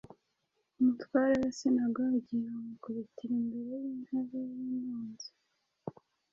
umutware w’isinagogi, bamukubitira imbere y’intebe y’imanza.